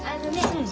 うん。